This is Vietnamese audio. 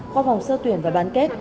do phòng sơ tuyển và bán kết